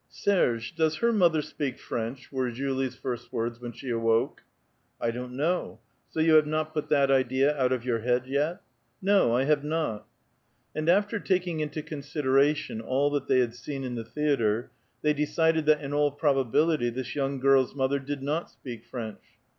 "Serge, does her mother speak French?" were Julie's first words when she awoke. " I don't know ; so you have not put that idea out of your head yet ?" "No, I have not." And after taking into consideration all that they had seen in the theatre, they decided that in all probability this young girl's mother did not speak French.